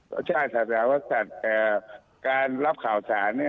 ของท่านอาณาจัยหรอกครับแต่การรับข่าวสารเนี่ย